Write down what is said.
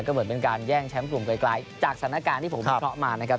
ก็เหมือนเป็นการแย่งแชมป์กลุ่มไกลจากสถานการณ์ที่ผมวิเคราะห์มานะครับ